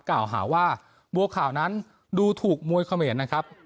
กล่าวหาว่าบัวขาวนั้นดูถูกมวยเขมรนะครับ